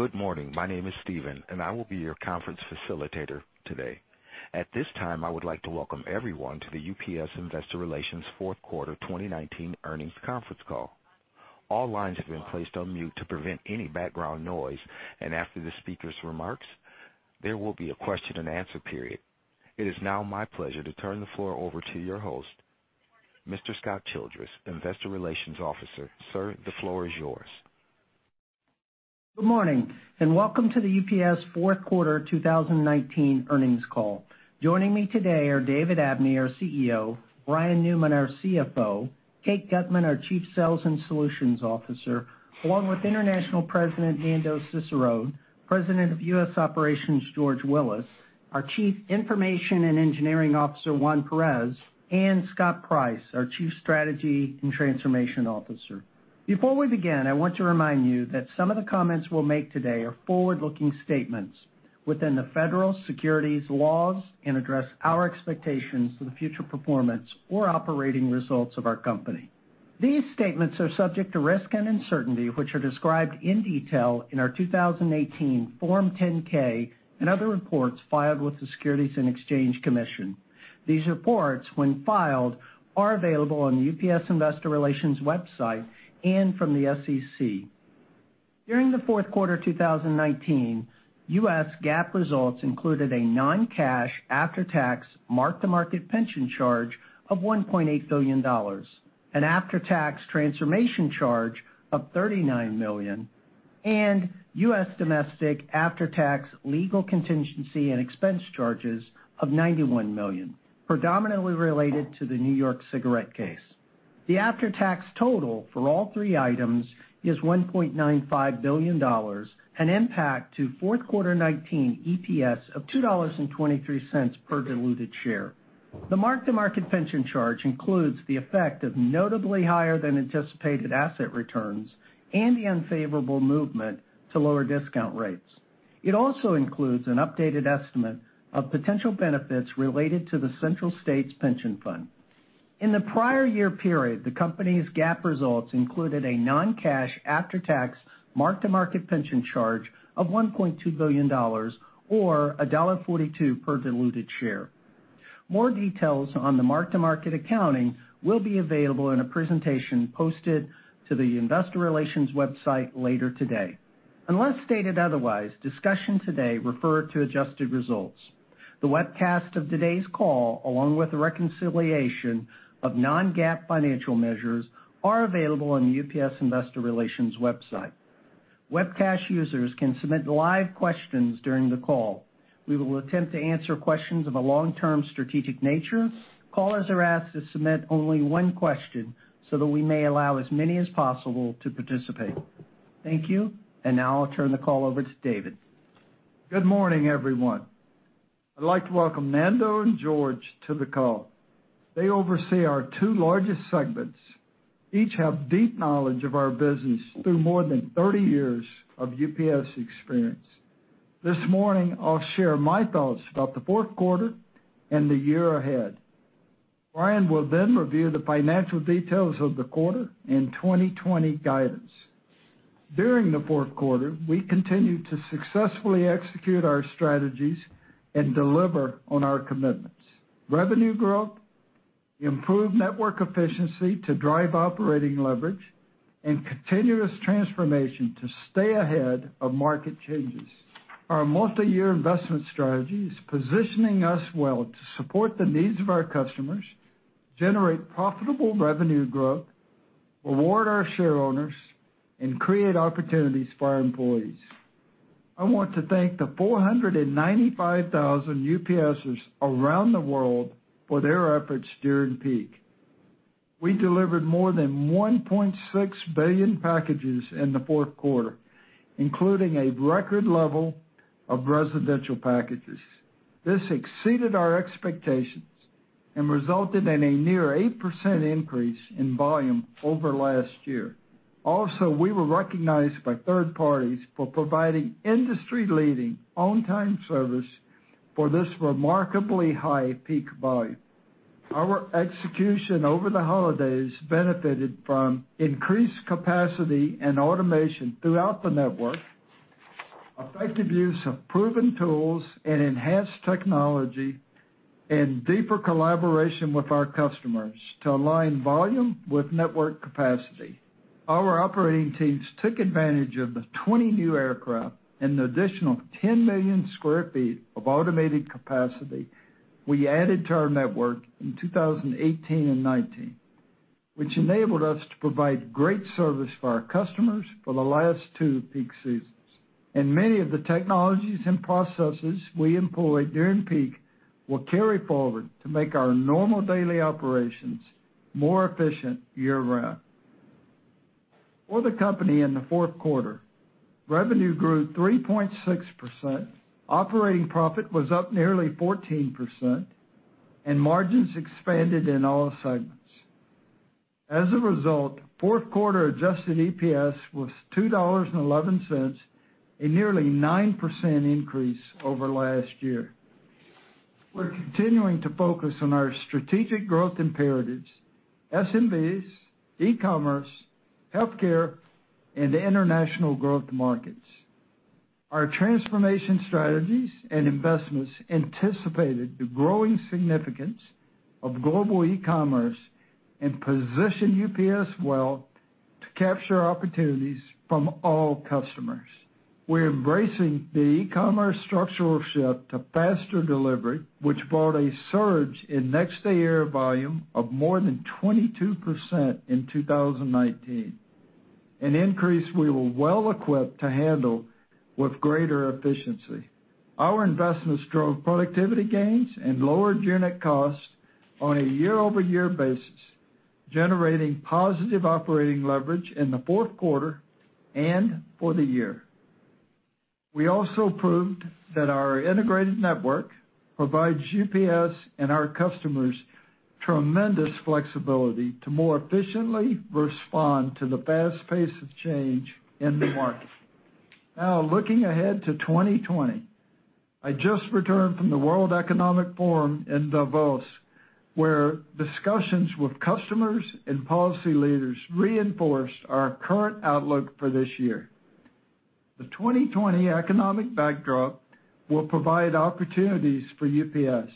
Good morning. My name is Steven. I will be your conference facilitator today. At this time, I would like to welcome everyone to the UPS Investor Relations Fourth Quarter 2019 Earnings Conference Call. All lines have been placed on mute to prevent any background noise. After the speaker's remarks, there will be a question and answer period. It is now my pleasure to turn the floor over to your host, Mr. Scott Childress, Investor Relations officer. Sir, the floor is yours. Good morning. Welcome to the UPS fourth quarter 2019 earnings call. Joining me today are David Abney, our CEO, Brian Newman, our CFO, Kate Gutmann, our Chief Sales and Solutions Officer, along with International President, Nando Cesarone, President of U.S. Operations, George Willis, our Chief Information and Engineering Officer, Juan Perez, and Scott Price, our Chief Strategy and Transformation Officer. Before we begin, I want to remind you that some of the comments we'll make today are forward-looking statements within the Federal Securities laws and address our expectations for the future performance or operating results of our company. These statements are subject to risk and uncertainty, which are described in detail in our 2018 Form 10-K and other reports filed with the Securities and Exchange Commission. These reports, when filed, are available on the UPS Investor Relations website and from the SEC. During the fourth quarter 2019, U.S. GAAP results included a non-cash after-tax mark-to-market pension charge of $1.8 billion, an after-tax transformation charge of $39 million, and U.S. domestic after-tax legal contingency and expense charges of $91 million, predominantly related to the New York cigarette case. The after-tax total for all three items is $1.95 billion, an impact to fourth quarter 2019 EPS of $2.23 per diluted share. The mark-to-market pension charge includes the effect of notably higher than anticipated asset returns and the unfavorable movement to lower discount rates. It also includes an updated estimate of potential benefits related to the Central States Pension Fund. In the prior year period, the company's GAAP results included a non-cash after-tax mark-to-market pension charge of $1.2 billion, or $1.42 per diluted share. More details on the mark-to-market accounting will be available in a presentation posted to the Investor Relations website later today. Unless stated otherwise, discussions today refer to adjusted results. The webcast of today's call, along with the reconciliation of non-GAAP financial measures, are available on the UPS Investor Relations website. Webcast users can submit live questions during the call. We will attempt to answer questions of a long-term strategic nature. Callers are asked to submit only one question so that we may allow as many as possible to participate. Thank you. Now I'll turn the call over to David. Good morning, everyone. I'd like to welcome Nando and George to the call. They oversee our two largest segments, each have deep knowledge of our business through more than 30 years of UPS experience. This morning, I'll share my thoughts about the fourth quarter and the year ahead. Brian will review the financial details of the quarter and 2020 guidance. During the fourth quarter, we continued to successfully execute our strategies and deliver on our commitments. Revenue growth, improved network efficiency to drive operating leverage, and continuous transformation to stay ahead of market changes. Our multi-year investment strategy is positioning us well to support the needs of our customers, generate profitable revenue growth, reward our shareowners, and create opportunities for our employees. I want to thank the 495,000 UPSers around the world for their efforts during peak. We delivered more than 1.6 billion packages in the fourth quarter, including a record level of residential packages. This exceeded our expectations and resulted in a near 8% increase in volume over last year. We were recognized by third parties for providing industry-leading on-time service for this remarkably high peak volume. Our execution over the holidays benefited from increased capacity and automation throughout the network, effective use of proven tools and enhanced technology, and deeper collaboration with our customers to align volume with network capacity. Our operating teams took advantage of the 20 new aircraft and the additional 10 million sq ft of automated capacity we added to our network in 2018 and 2019, which enabled us to provide great service for our customers for the last two peak seasons. Many of the technologies and processes we employ during Peak will carry forward to make our normal daily operations more efficient year-round. For the company in the fourth quarter, revenue grew 3.6%, operating profit was up nearly 14%, and margins expanded in all segments. As a result, fourth quarter adjusted EPS was $2.11, a nearly 9% increase over last year. We're continuing to focus on our strategic growth imperatives, SMBs, e-commerce, healthcare, and international growth markets. Our transformation strategies and investments anticipated the growing significance of global e-commerce and position UPS well to capture opportunities from all customers. We're embracing the e-commerce structural shift to faster delivery, which brought a surge in Next Day Air volume of more than 22% in 2019, an increase we were well equipped to handle with greater efficiency. Our investments drove productivity gains and lowered unit costs on a year-over-year basis, generating positive operating leverage in the fourth quarter and for the year. We also proved that our integrated network provides UPS and our customers tremendous flexibility to more efficiently respond to the fast pace of change in the market. Looking ahead to 2020, I just returned from the World Economic Forum in Davos, where discussions with customers and policy leaders reinforced our current outlook for this year. The 2020 economic backdrop will provide opportunities for UPS.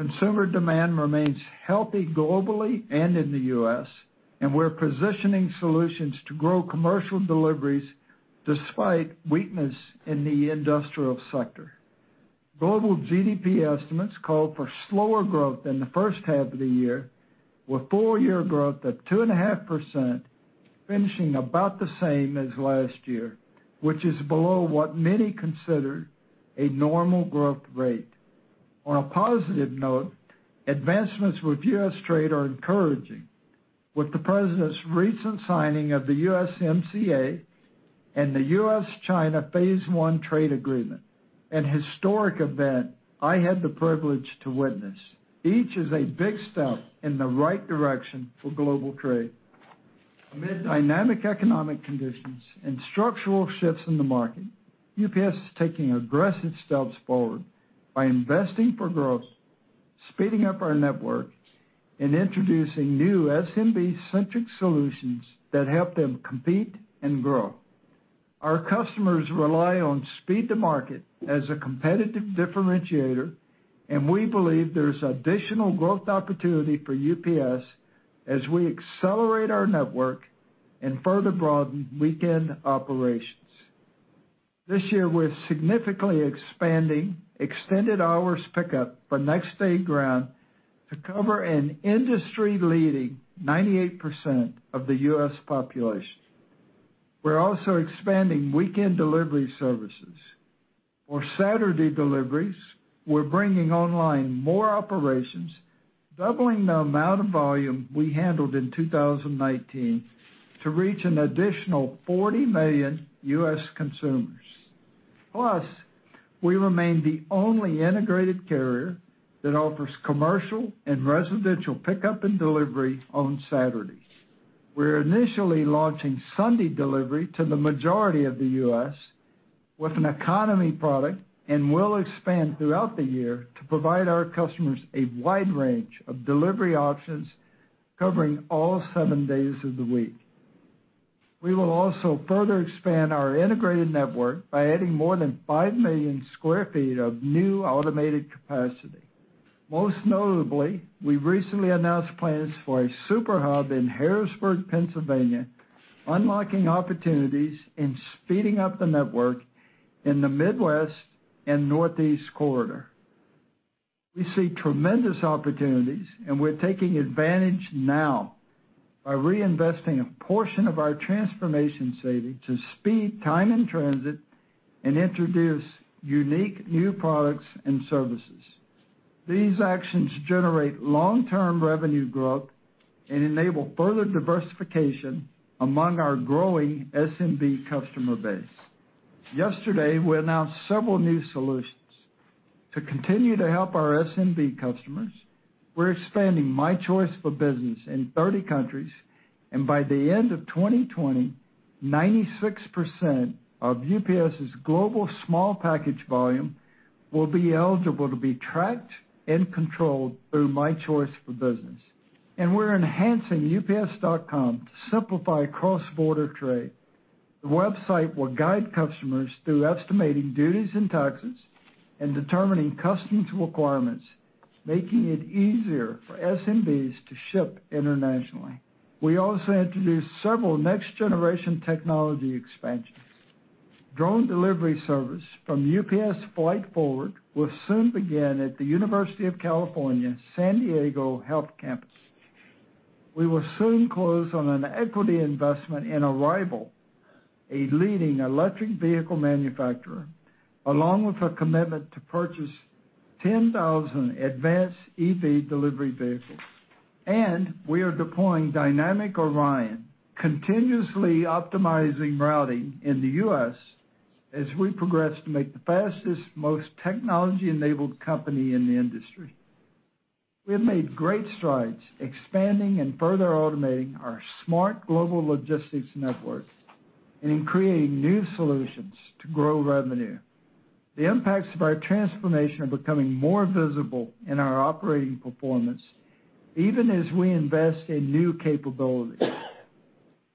Consumer demand remains healthy globally and in the U.S. We're positioning solutions to grow commercial deliveries despite weakness in the industrial sector. Global GDP estimates call for slower growth than the first half of the year, with full-year growth at 2.5% finishing about the same as last year, which is below what many consider a normal growth rate. On a positive note, advancements with U.S. trade are encouraging. With the president's recent signing of the USMCA and the U.S.-China phase one trade agreement, an historic event I had the privilege to witness. Each is a big step in the right direction for global trade. Amid dynamic economic conditions and structural shifts in the market, UPS is taking aggressive steps forward by investing for growth, speeding up our network, and introducing new SMB-centric solutions that help them compete and grow. Our customers rely on speed to market as a competitive differentiator. We believe there's additional growth opportunity for UPS as we accelerate our network and further broaden weekend operations. This year, we're significantly expanding extended hours pickup for next day ground to cover an industry-leading 98% of the U.S. population. We're also expanding weekend delivery services. For Saturday deliveries, we're bringing online more operations, doubling the amount of volume we handled in 2019 to reach an additional 40 million U.S. consumers. We remain the only integrated carrier that offers commercial and residential pickup and delivery on Saturdays. We're initially launching Sunday delivery to the majority of the U.S. with an economy product and will expand throughout the year to provide our customers a wide range of delivery options covering all seven days of the week. We will also further expand our integrated network by adding more than 5 million sq ft of new automated capacity. Most notably, we recently announced plans for a super hub in Harrisburg, Pennsylvania, unlocking opportunities and speeding up the network in the Midwest and Northeast corridor. We see tremendous opportunities. We're taking advantage now by reinvesting a portion of our transformation savings to speed time in transit and introduce unique new products and services. These actions generate long-term revenue growth and enable further diversification among our growing SMB customer base. Yesterday, we announced several new solutions. To continue to help our SMB customers, we're expanding My Choice for Business in 30 countries, and by the end of 2020, 96% of UPS's global small package volume will be eligible to be tracked and controlled through My Choice for Business. We're enhancing ups.com to simplify cross-border trade. The website will guide customers through estimating duties and taxes and determining customs requirements, making it easier for SMBs to ship internationally. We also introduced several next-generation technology expansions. Drone delivery service from UPS Flight Forward will soon begin at the University of California San Diego Health campus. We will soon close on an equity investment in Arrival, a leading electric vehicle manufacturer, along with a commitment to purchase 10,000 advanced EV delivery vehicles. We are deploying Dynamic ORION, continuously optimizing routing in the U.S. as we progress to make the fastest, most technology-enabled company in the industry. We have made great strides expanding and further automating our Smart Global Logistics Network and in creating new solutions to grow revenue. The impacts of our transformation are becoming more visible in our operating performance, even as we invest in new capabilities.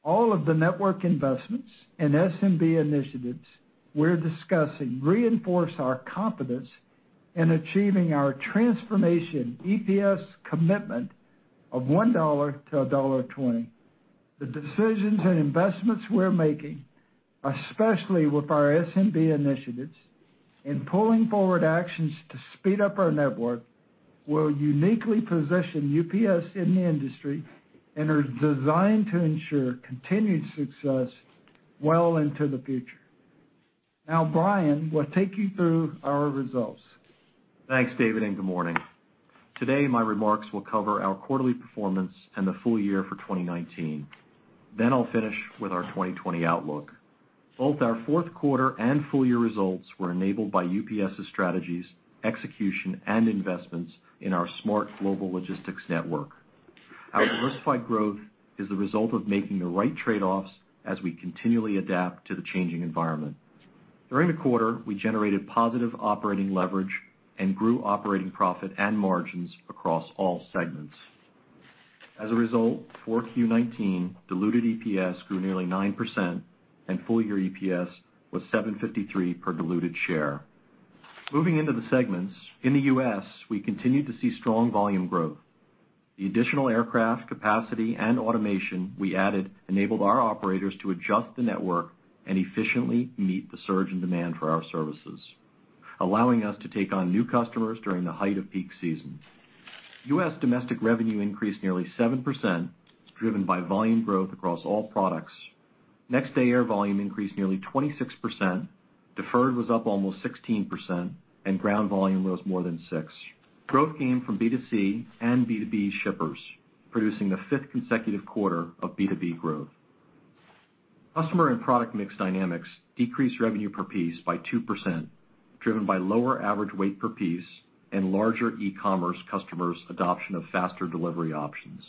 All of the network investments and SMB initiatives we're discussing reinforce our confidence in achieving our transformation EPS commitment of $1-$1.20. The decisions and investments we're making, especially with our SMB initiatives in pulling forward actions to speed up our network, will uniquely position UPS in the industry and are designed to ensure continued success well into the future. Now Brian will take you through our results. Thanks, David. Good morning. Today my remarks will cover our quarterly performance and the full year for 2019. I'll finish with our 2020 outlook. Both our fourth quarter and full year results were enabled by UPS's strategies, execution, and investments in our Smart Global Logistics Network. Our diversified growth is the result of making the right trade-offs as we continually adapt to the changing environment. During the quarter, we generated positive operating leverage and grew operating profit and margins across all segments. As a result, 4Q 2019 diluted EPS grew nearly 9%, and full-year EPS was $7.53 per diluted share. Moving into the segments, in the U.S., we continued to see strong volume growth. The additional aircraft capacity and automation we added enabled our operators to adjust the network and efficiently meet the surge in demand for our services, allowing us to take on new customers during the height of peak season. U.S. domestic revenue increased nearly 7%, driven by volume growth across all products. Next-day air volume increased nearly 26%, deferred was up almost 16%, and ground volume rose more than 6%. Growth came from B2C and B2B shippers, producing the fifth consecutive quarter of B2B growth. Customer and product mix dynamics decreased revenue per piece by 2%, driven by lower average weight per piece and larger e-commerce customers' adoption of faster delivery options.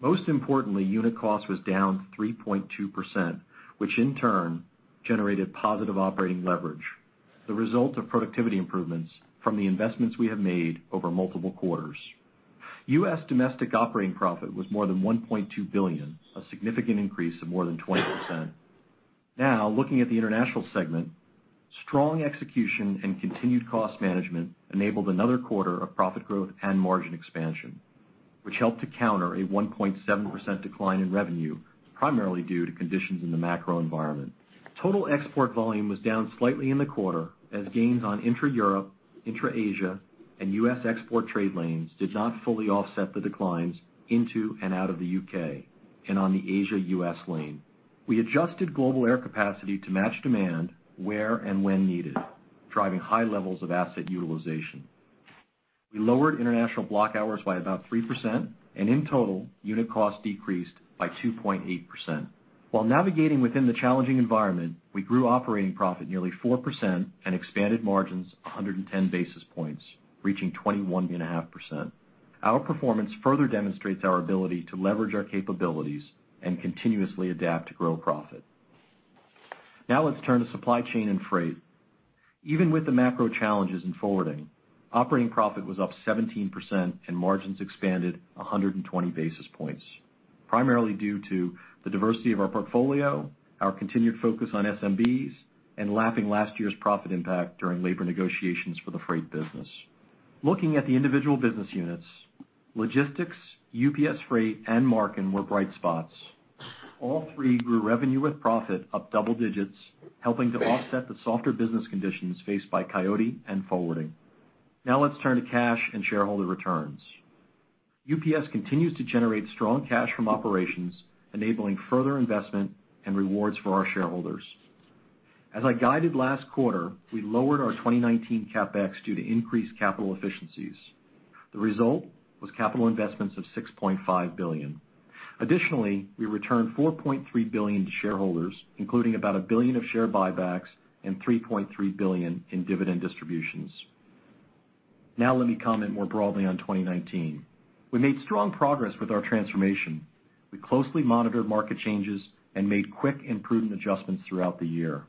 Most importantly, unit cost was down 3.2%, which in turn generated positive operating leverage, the result of productivity improvements from the investments we have made over multiple quarters. U.S. domestic operating profit was more than $1.2 billion, a significant increase of more than 20%. Now looking at the International segment, strong execution and continued cost management enabled another quarter of profit growth and margin expansion, which helped to counter a 1.7% decline in revenue, primarily due to conditions in the macro environment. Total export volume was down slightly in the quarter as gains on intra-Europe, intra-Asia, and U.S. export trade lanes did not fully offset the declines into and out of the U.K., and on the Asia-U.S. lane. We adjusted global air capacity to match demand where and when needed, driving high levels of asset utilization. We lowered International block hours by about 3%, and in total, unit cost decreased by 2.8%. While navigating within the challenging environment, we grew operating profit nearly 4% and expanded margins 110 basis points, reaching 21.5%. Our performance further demonstrates our ability to leverage our capabilities and continuously adapt to grow profit. Now let's turn to supply chain and freight. Even with the macro challenges in forwarding, operating profit was up 17% and margins expanded 120 basis points, primarily due to the diversity of our portfolio, our continued focus on SMBs, and lapping last year's profit impact during labor negotiations for the freight business. Looking at the individual business units, logistics, UPS Freight, and Marken were bright spots. All three grew revenue with profit up double digits, helping to offset the softer business conditions faced by Coyote and forwarding. Now let's turn to cash and shareholder returns. UPS continues to generate strong cash from operations, enabling further investment and rewards for our shareholders. As I guided last quarter, I lowered our 2019 CapEx due to increased capital efficiencies. The result was capital investments of $6.5 billion. Additionally, we returned $4.3 billion to shareholders, including about $1 billion of share buybacks and $3.3 billion in dividend distributions. Let me comment more broadly on 2019. We made strong progress with our transformation. We closely monitored market changes and made quick improvement adjustments throughout the year.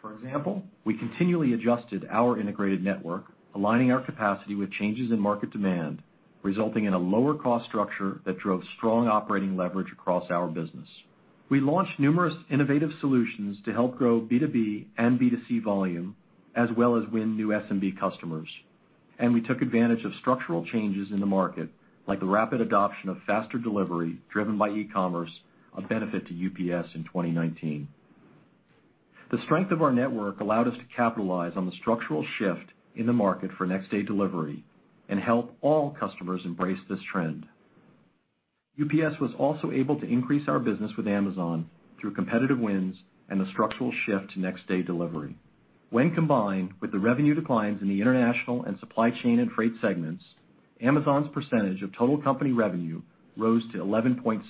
For example, we continually adjusted our integrated network, aligning our capacity with changes in market demand, resulting in a lower cost structure that drove strong operating leverage across our business. We launched numerous innovative solutions to help grow B2B and B2C volume, as well as win new SMB customers. We took advantage of structural changes in the market, like the rapid adoption of faster delivery driven by e-commerce, a benefit to UPS in 2019. The strength of our network allowed us to capitalize on the structural shift in the market for next-day delivery and help all customers embrace this trend. UPS was also able to increase our business with Amazon through competitive wins and a structural shift to next-day delivery. When combined with the revenue declines in the international and supply chain and freight segments, Amazon's percentage of total company revenue rose to 11.6%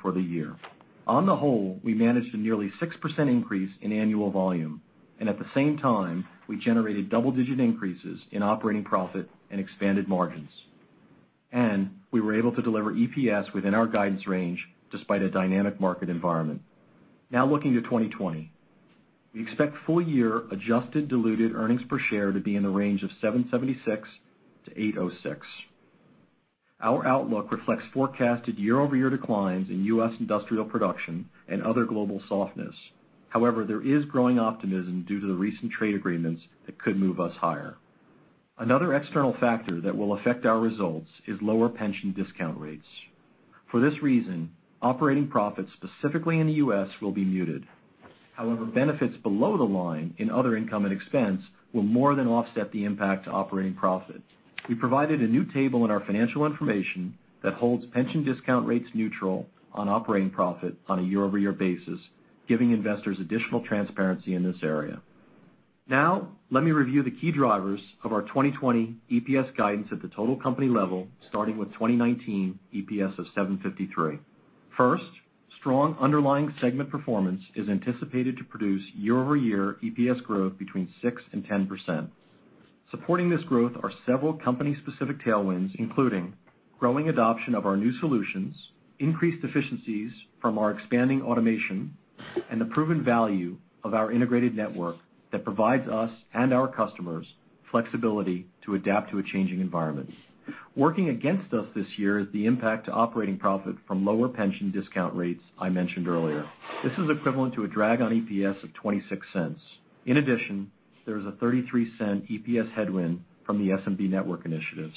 for the year. On the whole, we managed a nearly 6% increase in annual volume, and at the same time, we generated double-digit increases in operating profit and expanded margins. We were able to deliver EPS within our guidance range despite a dynamic market environment. Now, looking to 2020. We expect full-year adjusted diluted earnings per share to be in the range of $7.76-$8.06. Our outlook reflects forecasted year-over-year declines in U.S. industrial production and other global softness. There is growing optimism due to the recent trade agreements that could move us higher. Another external factor that will affect our results is lower pension discount rates. For this reason, operating profits, specifically in the U.S., will be muted. However, benefits below the line in other income and expense will more than offset the impact to operating profit. We provided a new table in our financial information that holds pension discount rates neutral on operating profit on a year-over-year basis, giving investors additional transparency in this area. Let me review the key drivers of our 2020 EPS guidance at the total company level, starting with 2019 EPS of $7.53. First, strong underlying segment performance is anticipated to produce year-over-year EPS growth between 6% and 10%. Supporting this growth are several company-specific tailwinds, including growing adoption of our new solutions, increased efficiencies from our expanding automation, and the proven value of our integrated network that provides us and our customers flexibility to adapt to a changing environment. Working against us this year is the impact to operating profit from lower pension discount rates I mentioned earlier. This is equivalent to a drag on EPS of $0.26. In addition, there is a $0.33 EPS headwind from the SMB network initiatives.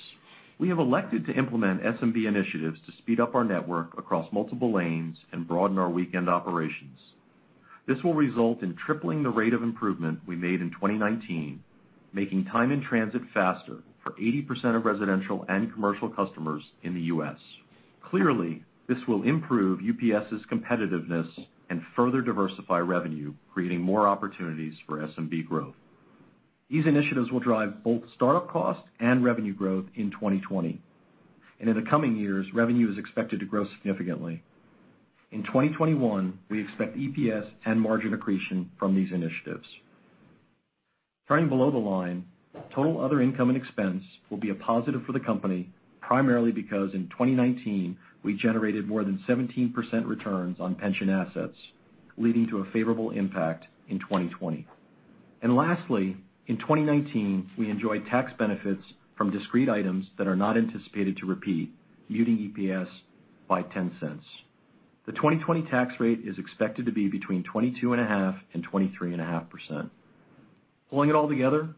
We have elected to implement SMB initiatives to speed up our network across multiple lanes and broaden our weekend operations. This will result in tripling the rate of improvement we made in 2019, making time in transit faster for 80% of residential and commercial customers in the U.S. Clearly, this will improve UPS's competitiveness and further diversify revenue, creating more opportunities for SMB growth. These initiatives will drive both startup costs and revenue growth in 2020. In the coming years, revenue is expected to grow significantly. In 2021, we expect EPS and margin accretion from these initiatives. Turning below the line, total other income and expense will be a positive for the company, primarily because in 2019, we generated more than 17% returns on pension assets, leading to a favorable impact in 2020. Lastly, in 2019, we enjoyed tax benefits from discrete items that are not anticipated to repeat, muting EPS by $0.10. The 2020 tax rate is expected to be between 22.5% and 23.5%. Pulling it all together,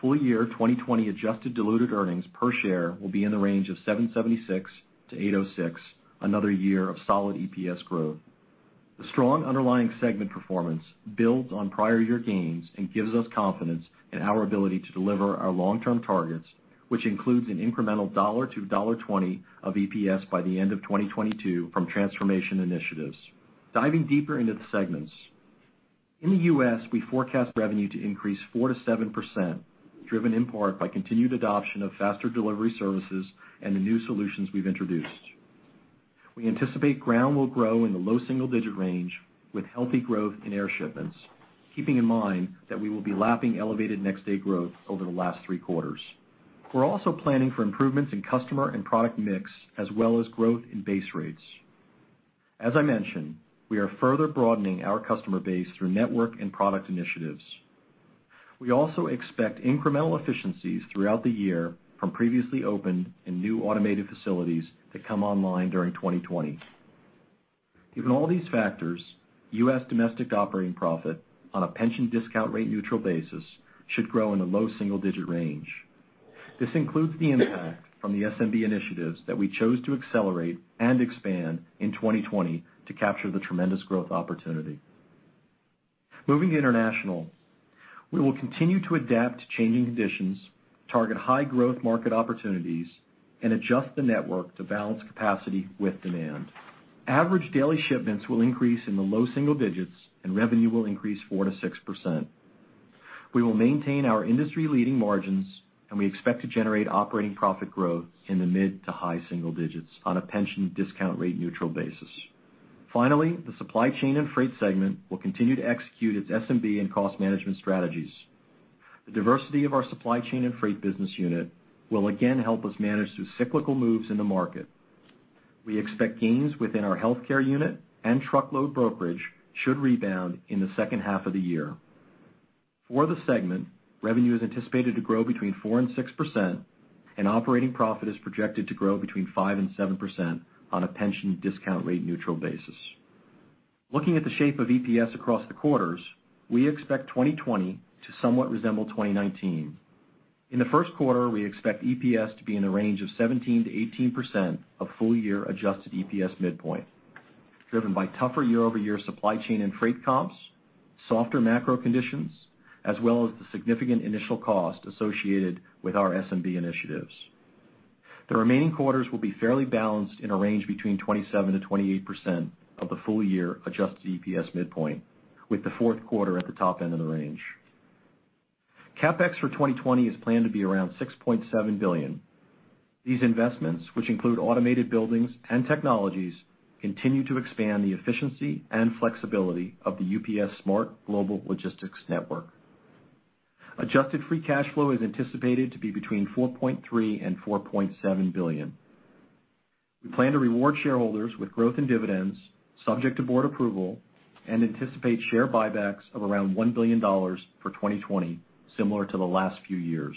full-year 2020 adjusted diluted earnings per share will be in the range of $7.76-$8.06, another year of solid EPS growth. The strong underlying segment performance builds on prior year gains and gives us confidence in our ability to deliver our long-term targets, which includes an incremental $1.00-$1.20 of EPS by the end of 2022 from transformation initiatives. Diving deeper into the segments. In the U.S., we forecast revenue to increase 4%-7%, driven in part by continued adoption of faster delivery services and the new solutions we've introduced. We anticipate ground will grow in the low single-digit range with healthy growth in air shipments, keeping in mind that we will be lapping elevated next-day growth over the last three quarters. We're also planning for improvements in customer and product mix, as well as growth in base rates. As I mentioned, we are further broadening our customer base through network and product initiatives. We also expect incremental efficiencies throughout the year from previously opened and new automated facilities that come online during 2020. Given all these factors, U.S. domestic operating profit on a pension discount rate neutral basis should grow in a low single-digit range. This includes the impact from the SMB initiatives that we chose to accelerate and expand in 2020 to capture the tremendous growth opportunity. Moving to International. We will continue to adapt to changing conditions, target high-growth market opportunities, and adjust the network to balance capacity with demand. Average daily shipments will increase in the low single digits. Revenue will increase 4%-6%. We will maintain our industry-leading margins. We expect to generate operating profit growth in the mid to high single digits on a pension discount rate neutral basis. The supply chain and freight segment will continue to execute its SMB and cost management strategies. The diversity of our supply chain and freight business unit will again help us manage through cyclical moves in the market. We expect gains within our healthcare unit and truckload brokerage should rebound in the second half of the year. For the segment, revenue is anticipated to grow between 4%-6%, and operating profit is projected to grow between 5%-7% on a pension discount rate neutral basis. Looking at the shape of EPS across the quarters, we expect 2020 to somewhat resemble 2019. In the first quarter, we expect EPS to be in a range of 17%-18% of full-year adjusted EPS midpoint, driven by tougher year-over-year supply chain and freight comps, softer macro conditions, as well as the significant initial cost associated with our SMB initiatives. The remaining quarters will be fairly balanced in a range between 27%-28% of the full-year adjusted EPS midpoint, with the fourth quarter at the top end of the range. CapEx for 2020 is planned to be around $6.7 billion. These investments, which include automated buildings and technologies, continue to expand the efficiency and flexibility of the UPS Smart Global Logistics Network. Adjusted free cash flow is anticipated to be between $4.3 billion and $4.7 billion. We plan to reward shareholders with growth and dividends subject to board approval, and anticipate share buybacks of around $1 billion for 2020, similar to the last few years.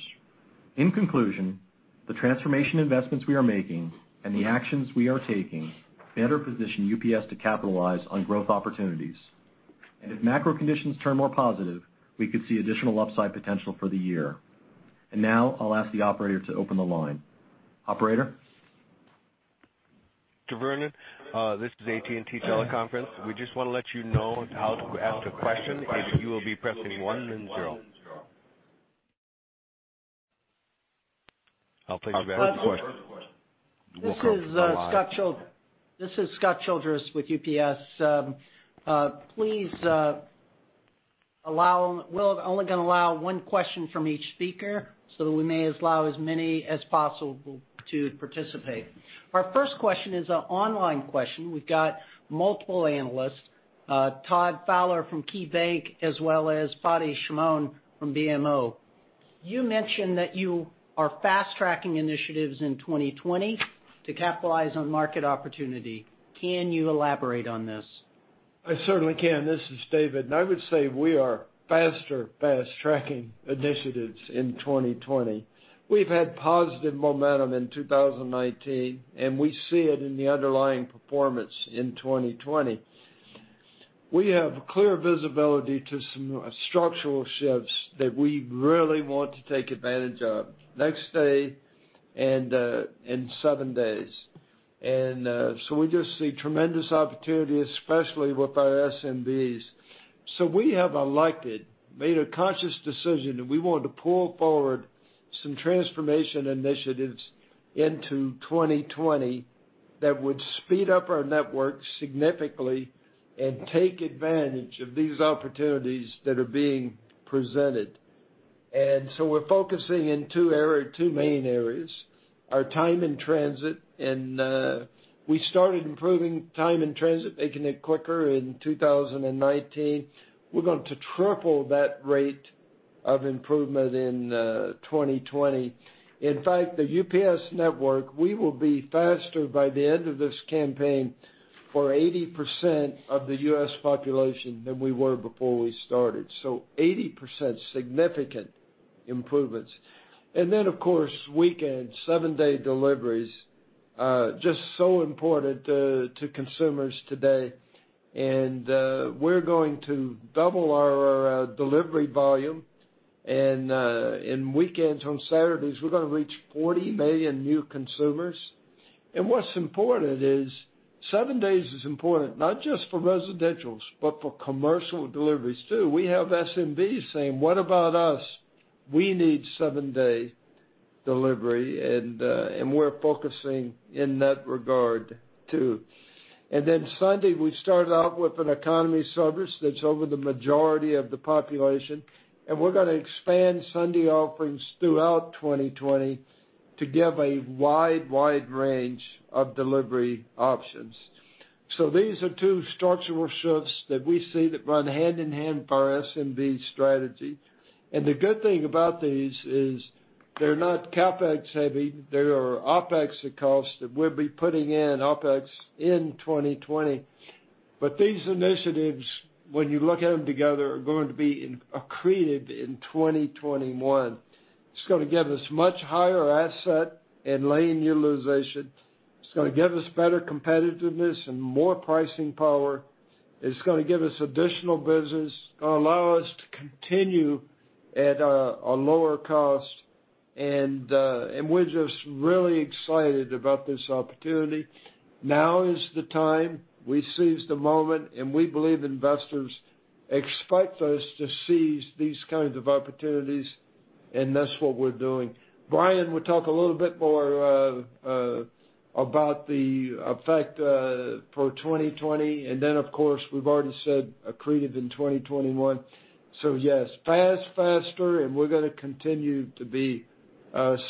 In conclusion, the transformation investments we are making and the actions we are taking better position UPS to capitalize on growth opportunities. If macro conditions turn more positive, we could see additional upside potential for the year. Now I'll ask the operator to open the line. Operator? To David Vernon, this is AT&T teleconference. We just want to let you know how to ask a question, is you will be pressing one then zero. I'll take the first question. This is Scott Childress with UPS. Please, we're only going to allow one question from each speaker so that we may allow as many as possible to participate. Our first question is a online question. We've got multiple analysts, Todd Fowler from KeyBanc, as well as Fadi Chamoun from BMO. You mentioned that you are fast-tracking initiatives in 2020 to capitalize on market opportunity. Can you elaborate on this? I certainly can. This is David, and I would say we are faster fast-tracking initiatives in 2020. We've had positive momentum in 2019, and we see it in the underlying performance in 2020. We have clear visibility to some structural shifts that we really want to take advantage of, next day and seven days. We just see tremendous opportunity, especially with our SMBs. We have elected, made a conscious decision that we want to pull forward some transformation initiatives into 2020 that would speed up our network significantly and take advantage of these opportunities that are being presented. We're focusing in two main areas, our time in transit, and we started improving time in transit, making it quicker in 2019. We're going to triple that rate of improvement in 2020. In fact, the UPS network, we will be faster by the end of this campaign for 80% of the U.S. population than we were before we started. 80% significant improvements. Of course, weekend seven-day deliveries, just so important to consumers today. We're going to double our delivery volume in weekends. On Saturdays, we're going to reach 40 million new consumers. What's important is seven days is important, not just for residentials, but for commercial deliveries too. We have SMBs saying, "What about us? We need seven-day delivery." We're focusing in that regard too. Sunday, we started off with an economy service that's over the majority of the population, and we're going to expand Sunday offerings throughout 2020 to give a wide range of delivery options. These are two structural shifts that we see that run hand in hand for our SMB strategy. The good thing about these is they're not CapEx heavy. They are OpEx cost that we'll be putting in OpEx in 2020. These initiatives, when you look at them together, are going to be accretive in 2021. It's going to give us much higher asset and lane utilization. It's going to give us better competitiveness and more pricing power. It's going to give us additional business, allow us to continue at a lower cost. We're just really excited about this opportunity. Now is the time. We seized the moment, and we believe investors expect us to seize these kinds of opportunities, and that's what we're doing. Brian will talk a little bit more about the effect for 2020. Of course, we've already said accretive in 2021. Yes, fast, faster, and we're going to continue to be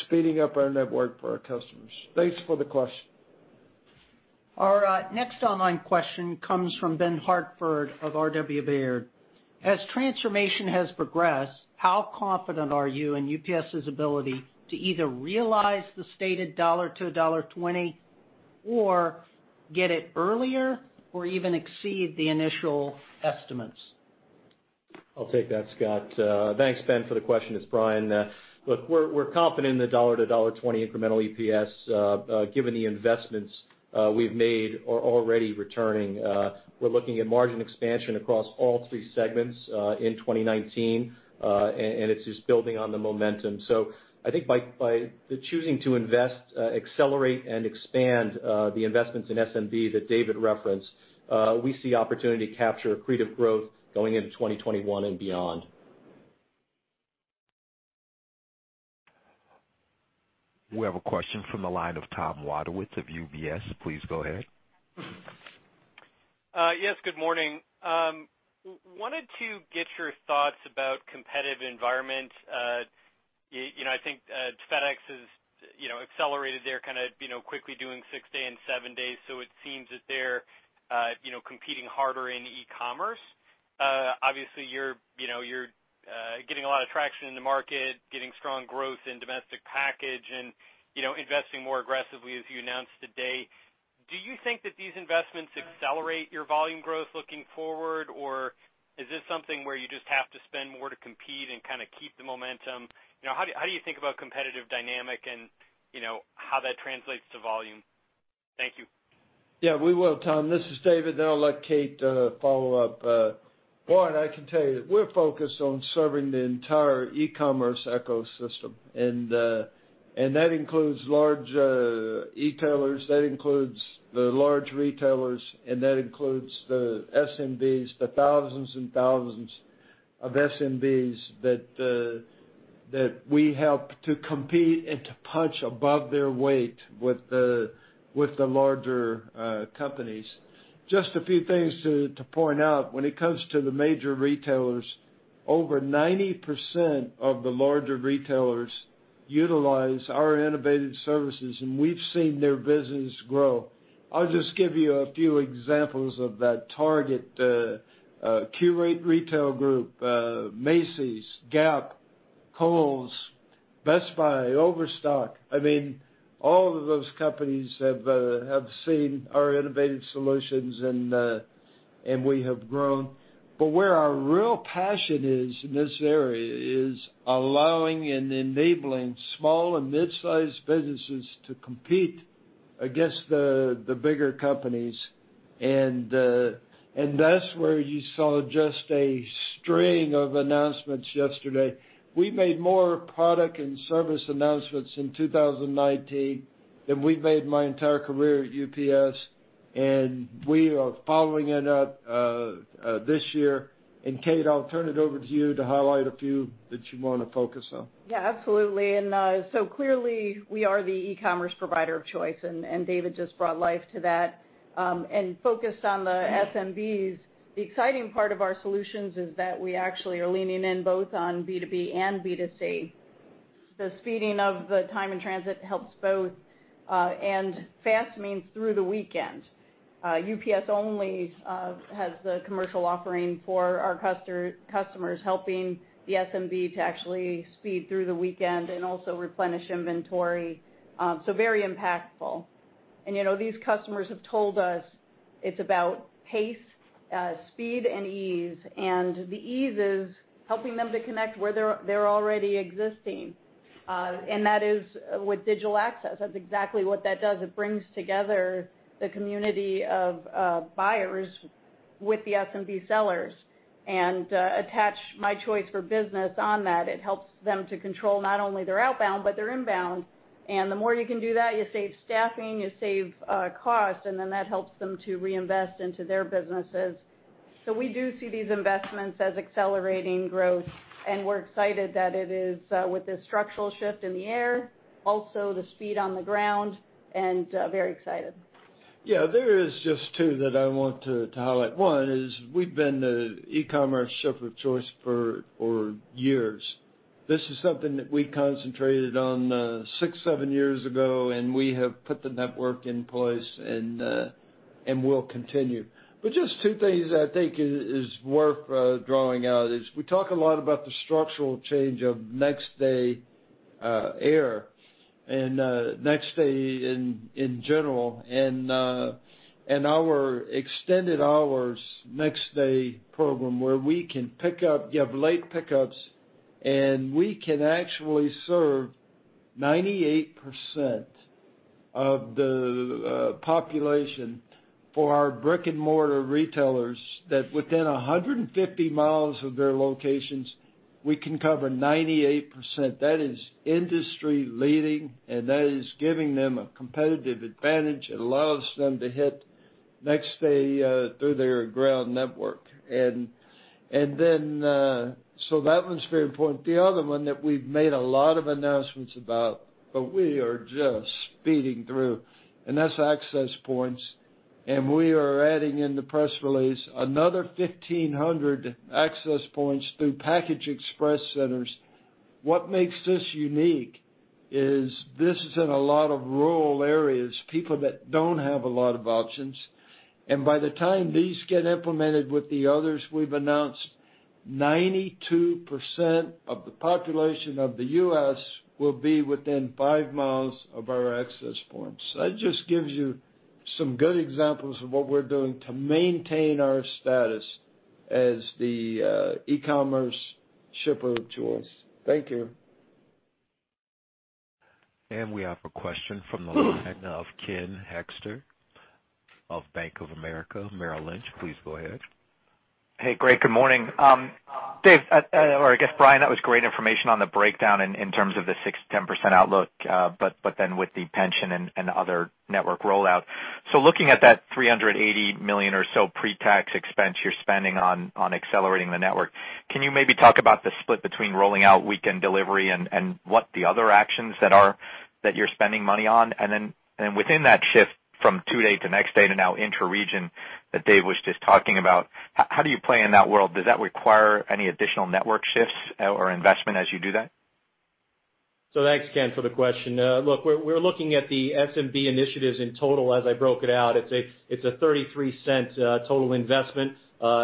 speeding up our network for our customers. Thanks for the question. Our next online question comes from Ben Hartford of R.W. Baird. As transformation has progressed, how confident are you in UPS's ability to either realize the stated $1-$1.20 or get it earlier or even exceed the initial estimates? I'll take that, Scott. Thanks, Ben, for the question. It's Brian. Look, we're confident in the $1-$1.20 incremental EPS, given the investments we've made are already returning. We're looking at margin expansion across all three segments, in 2019. It's just building on the momentum. I think by the choosing to invest, accelerate, and expand the investments in SMB that David referenced, we see opportunity to capture accretive growth going into 2021 and beyond. We have a question from the line of Thomas Wadewitz of UBS. Please go ahead. Yes, good morning. I wanted to get your thoughts about competitive environment. I think FedEx has accelerated their quickly doing six-day and seven-day, so it seems that they're competing harder in e-commerce. Obviously, you're getting a lot of traction in the market, getting strong growth in domestic package and investing more aggressively as you announced today. Do you think that these investments accelerate your volume growth looking forward, or is this something where you just have to spend more to compete and keep the momentum? How do you think about competitive dynamic and how that translates to volume? Thank you. Yeah, we will, Tom. This is David, then I'll let Kate follow up. One, I can tell you that we're focused on serving the entire e-commerce ecosystem, and that includes large e-tailers, that includes the large retailers, and that includes the SMBs, the thousands and thousands of SMBs that we help to compete and to punch above their weight with the larger companies. Just a few things to point out. When it comes to the major retailers, over 90% of the larger retailers utilize our innovative services, and we've seen their business grow. I'll just give you a few examples of that. Target, Qurate Retail Group, Macy's, Gap, Kohl's, Best Buy, Overstock. All of those companies have seen our innovative solutions, and we have grown. Where our real passion is in this area is allowing and enabling small and mid-sized businesses to compete against the bigger companies. That's where you saw just a string of announcements yesterday. We made more product and service announcements in 2019 than we've made my entire career at UPS, and we are following it up this year. Kate, I'll turn it over to you to highlight a few that you want to focus on. Yeah, absolutely. Clearly we are the e-commerce provider of choice, and David just brought life to that. Focused on the SMBs, the exciting part of our solutions is that we actually are leaning in both on B2B and B2C. The speeding of the time in transit helps both, and fast means through the weekend. UPS only has the commercial offering for our customers helping the SMB to actually speed through the weekend and also replenish inventory. Very impactful. These customers have told us it's about pace, speed, and ease. The ease is helping them to connect where they're already existing. That is with Digital Access. That's exactly what that does. It brings together the community of buyers with the SMB sellers and attach My Choice for Business on that. It helps them to control not only their outbound, but their inbound. The more you can do that, you save staffing, you save cost, and then that helps them to reinvest into their businesses. We do see these investments as accelerating growth, and we're excited that it is with this structural shift in the air, also the speed on the ground, and very excited. There is just two that I want to highlight. One is we've been the e-commerce shipper of choice for years. This is something that we concentrated on six, seven years ago, and we have put the network in place and will continue. Just two things that I think is worth drawing out is we talk a lot about the structural change of Next Day Air and Next Day in general, and our Extended Hours Next Day program where we can pick up, you have late pickups, and we can actually serve 98% of the population for our brick-and-mortar retailers that within 150 miles of their locations, we can cover 98%. That is industry leading, and that is giving them a competitive advantage. It allows them to hit Next Day through their ground network. That one's very important. The other one that we've made a lot of announcements about, but we are just speeding through, and that's access points. We are adding in the press release another 1,500 access points through package express centers. What makes this unique is this is in a lot of rural areas, people that don't have a lot of options. By the time these get implemented with the others we've announced, 92% of the population of the U.S. will be within five miles of our access points. That just gives you some good examples of what we're doing to maintain our status as the e-commerce shipper of choice. Thank you. We have a question from the line of Ken Hoexter of Bank of America Merrill Lynch. Please go ahead. Good morning. David, or I guess Brian, that was great information on the breakdown in terms of the 6%-10% outlook, but then with the pension and other network rollout. Looking at that $380 million or so pre-tax expense you're spending on accelerating the network, can you maybe talk about the split between rolling out weekend delivery and what the other actions that you're spending money on? Within that shift from two-day to next-day to now intra-region that David was just talking about, how do you play in that world? Does that require any additional network shifts or investment as you do that? Thanks, Ken, for the question. Look, we're looking at the SMB initiatives in total as I broke it out. It's a $0.33 total investment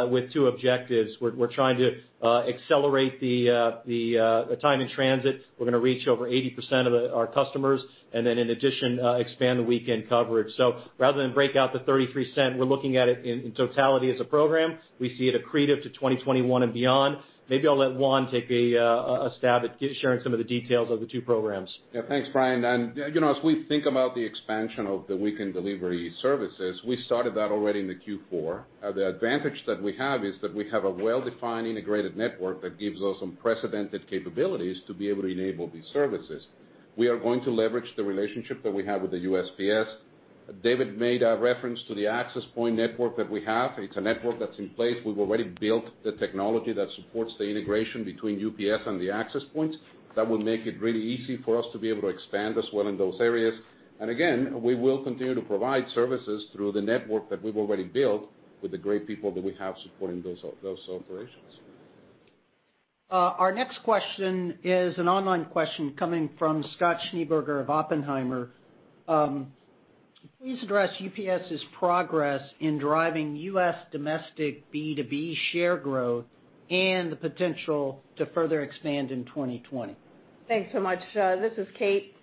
with two objectives. We're trying to accelerate the time in transit. We're going to reach over 80% of our customers, and then in addition, expand the weekend coverage. Rather than break out the $0.33, we're looking at it in totality as a program. We see it accretive to 2021 and beyond. Maybe I'll let Juan take a stab at sharing some of the details of the two programs. Yeah, thanks, Brian. As we think about the expansion of the weekend delivery services, we started that already in the Q4. The advantage that we have is that we have a well-defined, integrated network that gives us unprecedented capabilities to be able to enable these services. We are going to leverage the relationship that we have with the USPS. David made a reference to the access point network that we have. It's a network that's in place. We've already built the technology that supports the integration between UPS and the access points. That will make it really easy for us to be able to expand as well in those areas. Again, we will continue to provide services through the network that we've already built with the great people that we have supporting those operations. Our next question is an online question coming from Scott Schneeberger of Oppenheimer. Please address UPS's progress in driving U.S. domestic B2B share growth and the potential to further expand in 2020. Thanks so much. This is Kate.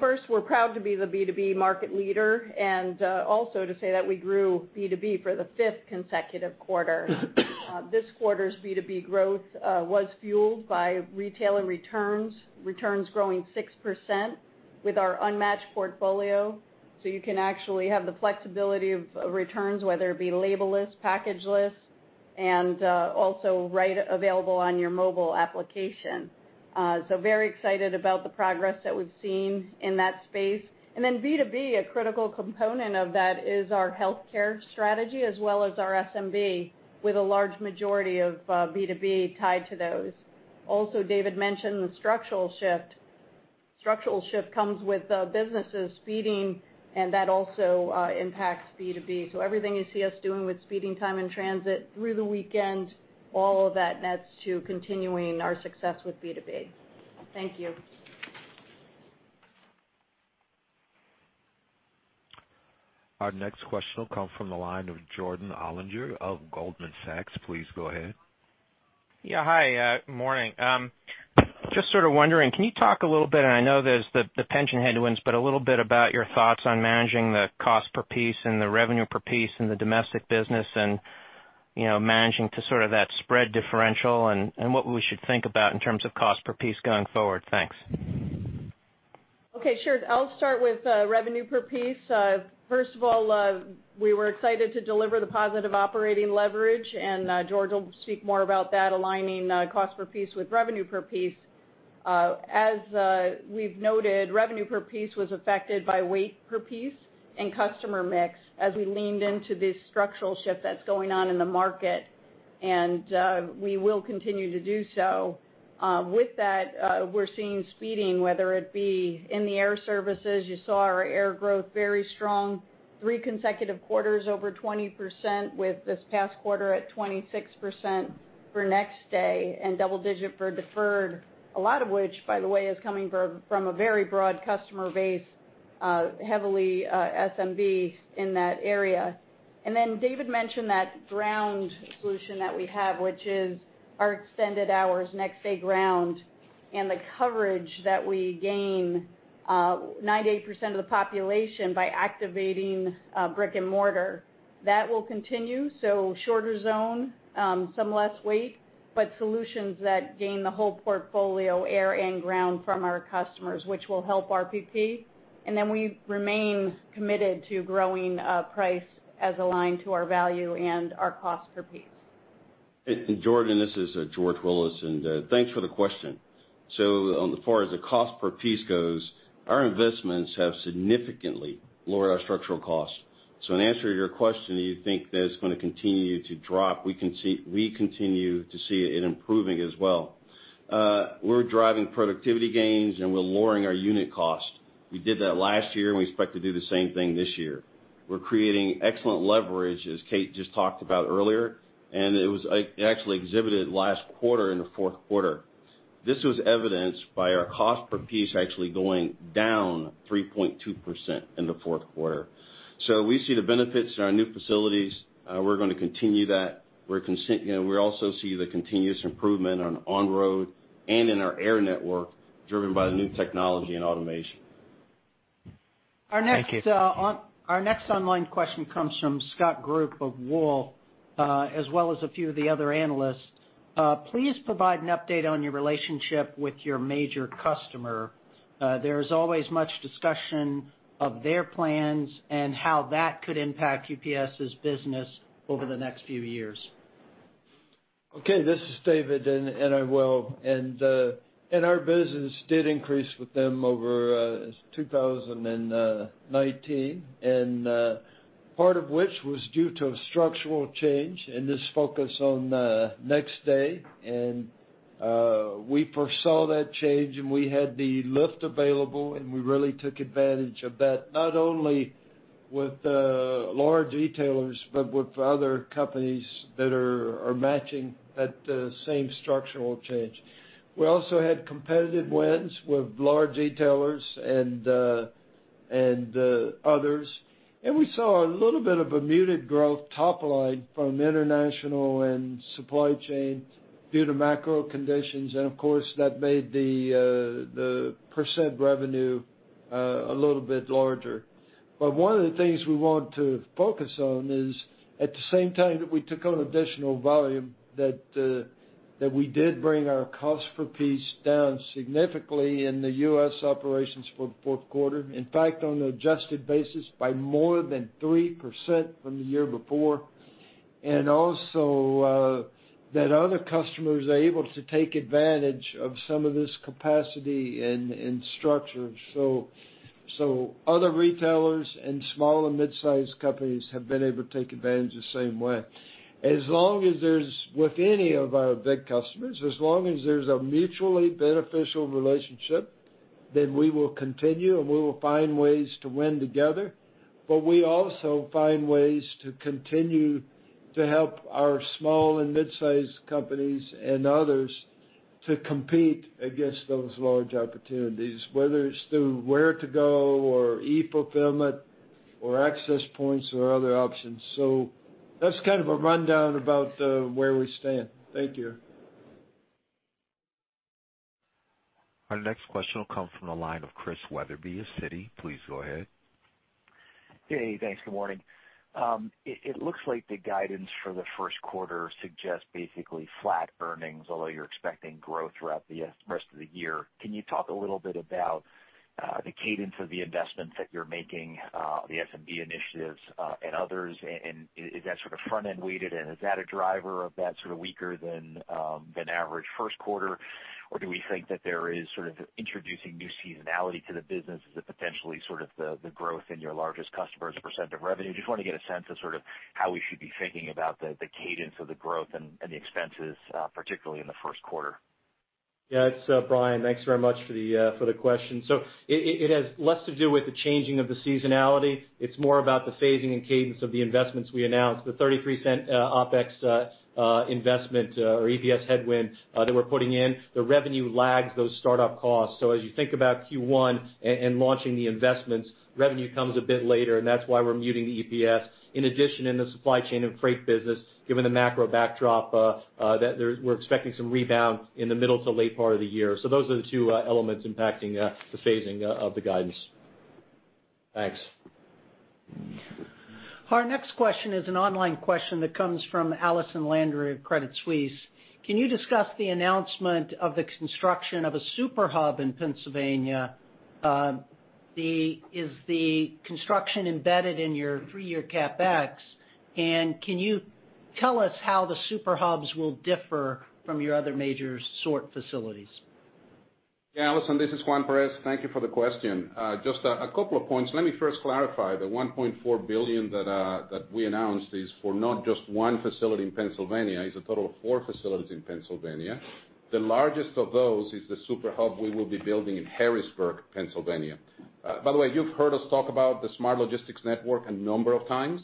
First, we're proud to be the B2B market leader and also to say that we grew B2B for the fifth consecutive quarter. This quarter's B2B growth was fueled by retail and returns. Returns growing 6% with our unmatched portfolio. You can actually have the flexibility of returns, whether it be labelless, packageless, and also right available on your mobile application. Very excited about the progress that we've seen in that space. B2B, a critical component of that is our healthcare strategy as well as our SMB, with a large majority of B2B tied to those. Also, David mentioned the structural shift. Structural shift comes with businesses speeding. That also impacts B2B. Everything you see us doing with speeding time in transit through the weekend, all of that nets to continuing our success with B2B. Thank you. Our next question will come from the line of Jordan Alliger of Goldman Sachs. Please go ahead. Yeah. Hi, good morning. Just sort of wondering, can you talk a little bit, and I know there's the pension headwinds, but a little bit about your thoughts on managing the cost per piece and the revenue per piece in the domestic business and managing to sort of that spread differential and what we should think about in terms of cost per piece going forward. Thanks. Okay, sure. I'll start with revenue per piece. First of all, we were excited to deliver the positive operating leverage, and George will speak more about that, aligning cost per piece with revenue per piece. As we've noted, revenue per piece was affected by weight per piece and customer mix as we leaned into this structural shift that's going on in the market, and we will continue to do so. With that, we're seeing speeding, whether it be in the air services. You saw our air growth very strong, three consecutive quarters over 20% with this past quarter at 26% for Next Day and double digit for deferred. A lot of which, by the way, is coming from a very broad customer base, heavily SMB in that area. David mentioned that ground solution that we have, which is our extended hours next day ground, and the coverage that we gain, 98% of the population by activating brick and mortar. That will continue, so shorter zone, some less weight, but solutions that gain the whole portfolio air and ground from our customers, which will help RPP. We remain committed to growing price as aligned to our value and our cost per piece. Jordan Alliger, this is George Willis, and thanks for the question. As far as the cost per piece goes, our investments have significantly lowered our structural costs. In answer to your question, do you think that it's going to continue to drop? We continue to see it improving as well. We're driving productivity gains, and we're lowering our unit cost. We did that last year, and we expect to do the same thing this year. We're creating excellent leverage, as Kate Gutmann just talked about earlier, and it was actually exhibited last quarter in the fourth quarter. This was evidenced by our cost per piece actually going down 3.2% in the fourth quarter. We see the benefits in our new facilities. We're going to continue that. We also see the continuous improvement on on-road and in our air network driven by the new technology and automation. Thank you. Our next online question comes from Scott Group of Wolfe, as well as a few of the other analysts. Please provide an update on your relationship with your major customer. There is always much discussion of their plans and how that could impact UPS's business over the next few years. Okay, this is David, and I will. Our business did increase with them over 2019, and part of which was due to a structural change and this focus on next day. We foresaw that change, and we had the lift available, and we really took advantage of that, not only with large retailers, but with other companies that are matching that same structural change. We also had competitive wins with large retailers and others. We saw a little bit of a muted growth top line from international and supply chain due to macro conditions. Of course, that made the percent revenue a little bit larger. One of the things we want to focus on is at the same time that we took on additional volume, that we did bring our cost per piece down significantly in the U.S. operations for the fourth quarter. In fact, on an adjusted basis by more than 3% from the year before. Also that other customers are able to take advantage of some of this capacity and structure. Other retailers and small and mid-size companies have been able to take advantage the same way. With any of our big customers, as long as there's a mutually beneficial relationship, then we will continue, and we will find ways to win together. We also find ways to continue to help our small and mid-size companies and others to compete against those large opportunities, whether it's through where to go or e-fulfillment or access points or other options. That's kind of a rundown about where we stand. Thank you. Our next question will come from the line of Chris Wetherbee of Citi. Please go ahead. Hey, thanks. Good morning. It looks like the guidance for the first quarter suggests basically flat earnings, although you're expecting growth throughout the rest of the year. Can you talk a little bit about the cadence of the investments that you're making, the SMB initiatives, and others, and is that sort of front-end weighted, and is that a driver of that sort of weaker than average first quarter? Or do we think that there is sort of introducing new seasonality to the business as a potentially sort of the growth in your largest customers' percent of revenue? Just want to get a sense of sort of how we should be thinking about the cadence of the growth and the expenses, particularly in the first quarter. Yeah, it's Brian. Thanks very much for the question. It has less to do with the changing of the seasonality. It's more about the phasing and cadence of the investments we announced. The $0.33 OpEx investment or EPS headwind that we're putting in. The revenue lags those startup costs. As you think about Q1 and launching the investments, revenue comes a bit later, and that's why we're muting the EPS. In addition, in the supply chain and freight business, given the macro backdrop, we're expecting some rebound in the middle to late part of the year. Those are the two elements impacting the phasing of the guidance. Thanks. Our next question is an online question that comes from Allison Landry of Credit Suisse. Can you discuss the announcement of the construction of a super hub in Pennsylvania? Is the construction embedded in your three-year CapEx? Can you tell us how the super hubs will differ from your other major sort facilities? Yeah, Allison, this is Juan Perez. Thank you for the question. Just a couple of points. Let me first clarify. The $1.4 billion that we announced is for not just one facility in Pennsylvania. It's a total of four facilities in Pennsylvania. The largest of those is the super hub we will be building in Harrisburg, Pennsylvania. By the way, you've heard us talk about the Smart Logistics Network a number of times.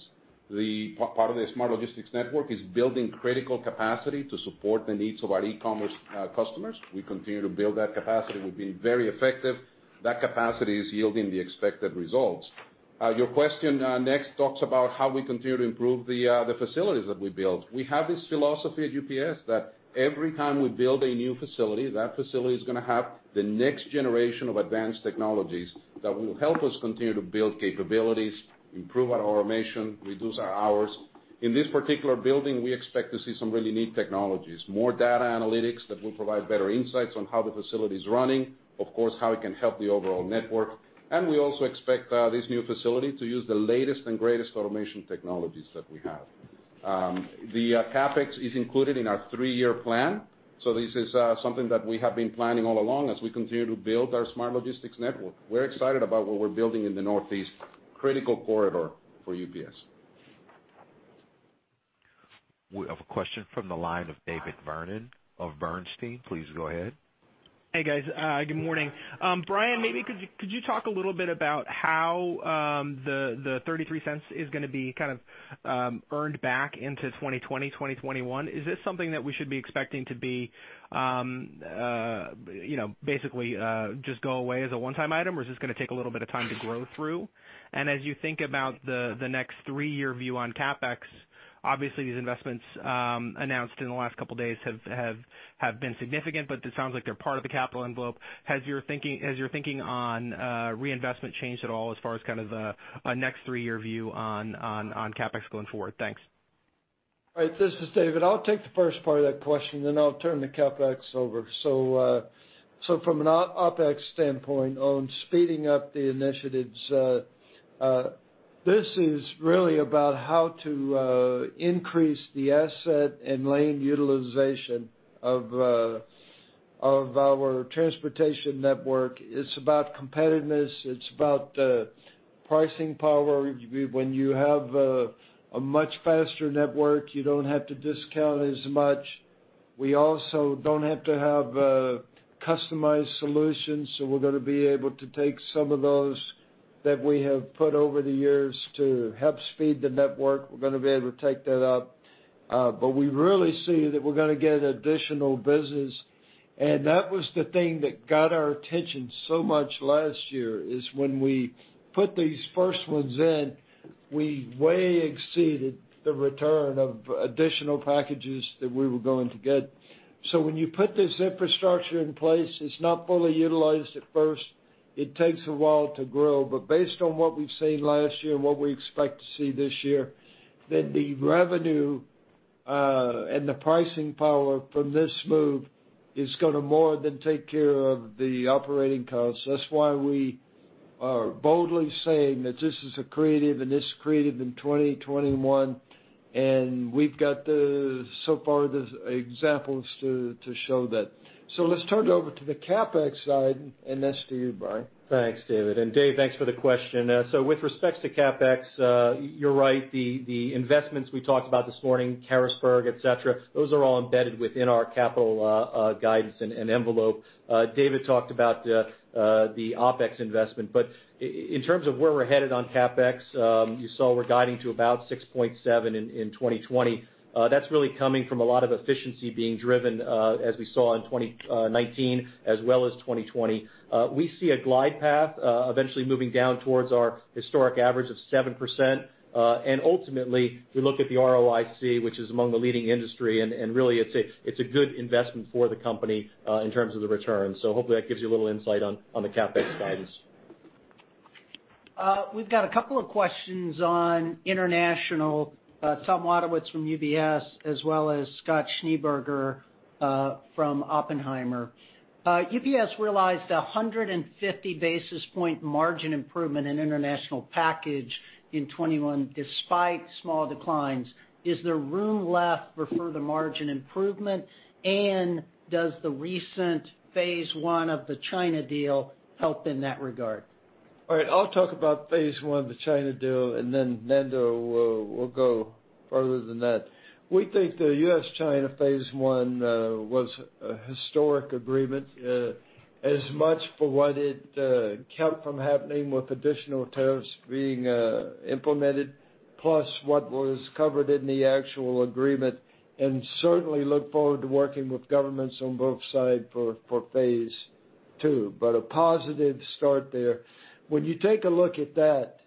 Part of the Smart Logistics Network is building critical capacity to support the needs of our e-commerce customers. We continue to build that capacity. We've been very effective. That capacity is yielding the expected results. Your question next talks about how we continue to improve the facilities that we build. We have this philosophy at UPS that every time we build a new facility, that facility is going to have the next generation of advanced technologies that will help us continue to build capabilities, improve our automation, reduce our hours. In this particular building, we expect to see some really neat technologies. More data analytics that will provide better insights on how the facility's running, of course, how it can help the overall network. We also expect this new facility to use the latest and greatest automation technologies that we have. The CapEx is included in our three-year plan. This is something that we have been planning all along as we continue to build our Smart Logistics Network. We're excited about what we're building in the Northeast critical corridor for UPS. We have a question from the line of David Vernon of Bernstein. Please go ahead. Hey, guys. Good morning. Brian, maybe could you talk a little bit about how the $0.33 is going to be kind of earned back into 2020, 2021? Is this something that we should be expecting to basically just go away as a one-time item, or is this going to take a little bit of time to grow through? As you think about the next three-year view on CapEx, obviously these investments announced in the last couple of days have been significant, but it sounds like they're part of the capital envelope. Has your thinking on reinvestment changed at all as far as kind of the next three-year view on CapEx going forward? Thanks. All right. This is David. I'll take the first part of that question, then I'll turn the CapEx over. From an OpEx standpoint on speeding up the initiatives, this is really about how to increase the asset and lane utilization of our transportation network. It's about competitiveness, it's about pricing power. When you have a much faster network, you don't have to discount as much. We also don't have to have customized solutions, so we're going to be able to take some of those that we have put over the years to help speed the network. We're going to be able to take that out. We really see that we're going to get additional business. That was the thing that got our attention so much last year, is when we put these first ones in, we way exceeded the return of additional packages that we were going to get. When you put this infrastructure in place, it's not fully utilized at first. It takes a while to grow. Based on what we've seen last year and what we expect to see this year, the revenue, and the pricing power from this move is going to more than take care of the operating costs. That's why we are boldly saying that this is accretive and it's accretive in 2021, and we've got the, so far, the examples to show that. Let's turn it over to the CapEx side, and that's to you, Brian. Thanks, David. Dave, thanks for the question. With respects to CapEx, you're right. The investments we talked about this morning, Harrisburg, et cetera, those are all embedded within our capital guidance and envelope. David talked about the OpEx investment. In terms of where we're headed on CapEx, you saw we're guiding to about 6.7% in 2020. That's really coming from a lot of efficiency being driven, as we saw in 2019 as well as 2020. We see a glide path eventually moving down towards our historic average of 7%. Ultimately, we look at the ROIC, which is among the leading industry, and really, it's a good investment for the company in terms of the return. Hopefully that gives you a little insight on the CapEx guidance. We've got a couple of questions on International. Thomas Wadewitz from UBS as well as Scott Schneeberger from Oppenheimer. UPS realized 150 basis point margin improvement in international package in 2021, despite small declines. Is there room left for further margin improvement? Does the recent phase I of the China deal help in that regard? All right. I'll talk about phase one of the China deal, then Nando will go further than that. We think the U.S.-China phase I was a historic agreement, as much for what it kept from happening with additional tariffs being implemented, plus what was covered in the actual agreement. Certainly look forward to working with governments on both sides for phase II. A positive start there. When you take a look at that,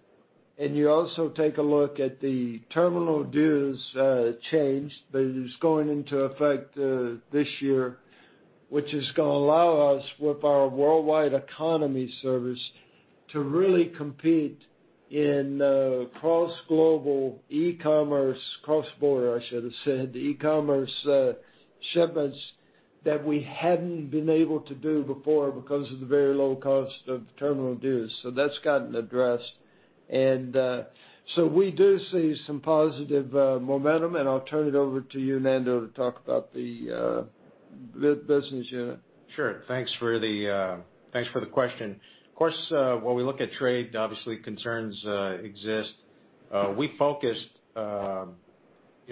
and you also take a look at the terminal dues change that is going into effect this year, which is going to allow us, with our worldwide economy service, to really compete in cross-global e-commerce, cross-border, I should have said, e-commerce shipments that we hadn't been able to do before because of the very low cost of terminal dues. That's gotten addressed. We do see some positive momentum, and I'll turn it over to you, Nando, to talk about the business unit. Sure. Thanks for the question. Of course, when we look at trade, obviously concerns exist. We focused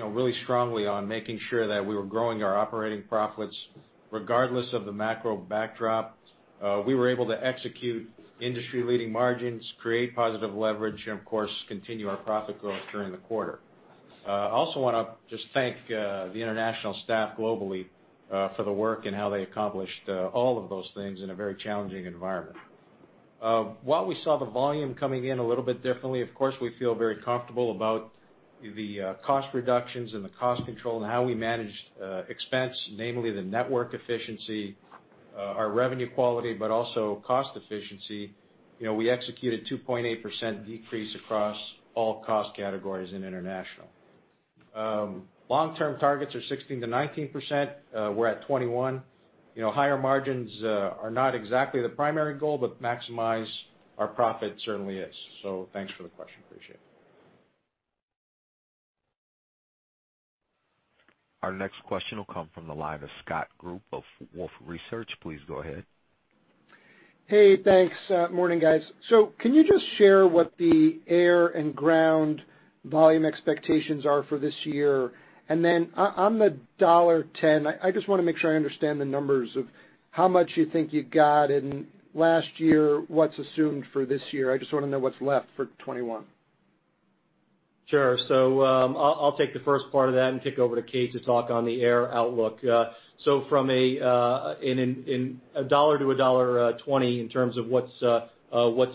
really strongly on making sure that we were growing our operating profits regardless of the macro backdrop. We were able to execute industry-leading margins, create positive leverage, and of course, continue our profit growth during the quarter. I also want to just thank the International staff globally for the work and how they accomplished all of those things in a very challenging environment. While we saw the volume coming in a little bit differently, of course, we feel very comfortable about the cost reductions and the cost control and how we managed expense, namely the network efficiency, our revenue quality, but also cost efficiency. We executed 2.8% decrease across all cost categories in International. Long-term targets are 16%-19%. We're at 21%. Higher margins are not exactly the primary goal, but maximize our profit certainly is. Thanks for the question. Appreciate it. Our next question will come from the line of Scott Group of Wolfe Research. Please go ahead. Hey, thanks. Morning, guys. Can you just share what the air and ground volume expectations are for this year? On the $1.10, I just want to make sure I understand the numbers of how much you think you got in last year, what's assumed for this year. I just want to know what's left for 2021. Sure. I'll take the first part of that and kick over to Kate to talk on the air outlook. From $1-$1.20 in terms of what's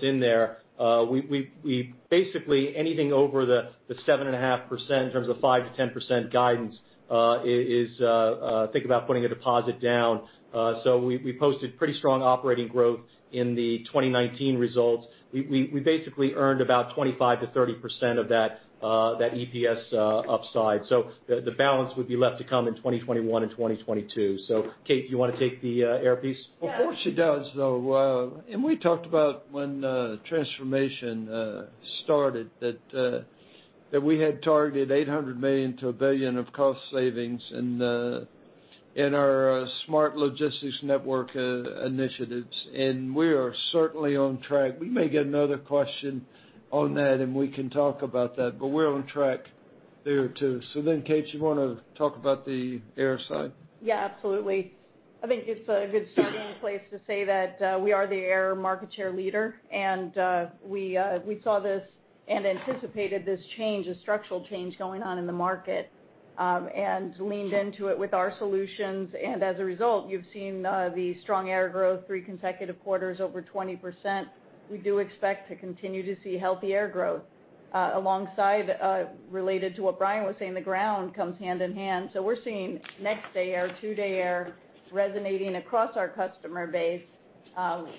in there, we basically anything over the 7.5% in terms of 5%-10% guidance is think about putting a deposit down. We posted pretty strong operating growth in the 2019 results. We basically earned about 25%-30% of that EPS upside. The balance would be left to come in 2021 and 2022. Kate, do you want to take the air piece? Of course she does though. We talked about when transformation started that we had targeted $800 million to $1 billion of cost savings in our Smart Logistics Network initiatives, and we are certainly on track. We may get another question on that and we can talk about that, but we're on track there too. Kate, you want to talk about the air side? Absolutely. I think it's a good starting place to say that we are the air market share leader, and we saw this and anticipated this change, a structural change going on in the market, and leaned into it with our solutions. As a result, you've seen the strong air growth, three consecutive quarters over 20%. We do expect to continue to see healthy air growth alongside, related to what Brian was saying, the ground comes hand in hand. We're seeing next-day air, two-day air resonating across our customer base,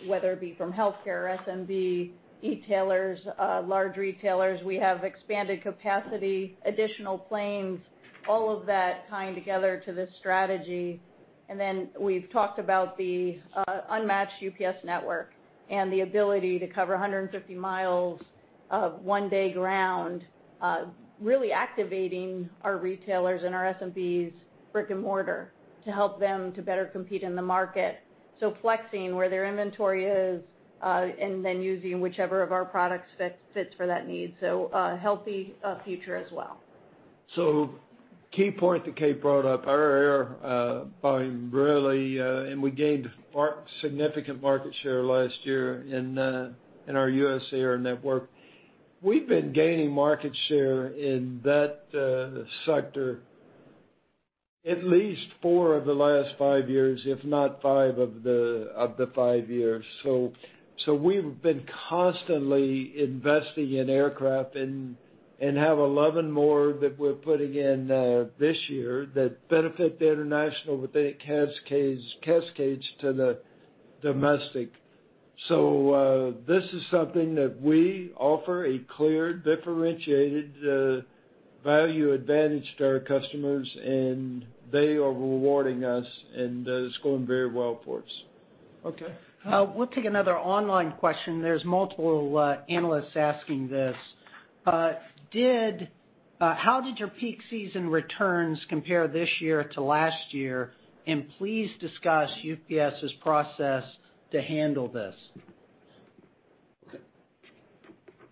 whether it be from healthcare, SMB, e-tailers, large retailers. We have expanded capacity, additional planes, all of that tying together to this strategy. We've talked about the unmatched UPS network and the ability to cover 150 miles of one-day ground, really activating our retailers and our SMBs brick-and-mortar to help them to better compete in the market. Flexing where their inventory is, and then using whichever of our products fits for that need. A healthy future as well. Key point that Kate brought up, our air volume, really, and we gained significant market share last year in our U.S. air network. We've been gaining market share in that sector at least four of the last five years, if not five of the five years. We've been constantly investing in aircraft and have 11 more that we're putting in this year that benefit the international, but then it cascades to the domestic. This is something that we offer a clear differentiated value advantage to our customers, and they are rewarding us, and it's going very well for us. Okay. We'll take another online question. There's multiple analysts asking this. How did your peak season returns compare this year to last year, and please discuss UPS's process to handle this?